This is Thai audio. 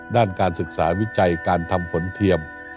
ด้านการศึกษาวิจัยการทำฝนเทียม